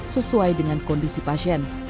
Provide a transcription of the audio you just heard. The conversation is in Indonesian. sesuai dengan kondisi pasien